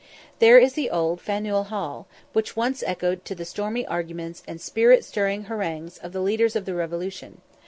There is the old Faneuil Hall, which once echoed to the stormy arguments and spirit stirring harangues of the leaders of the Revolution.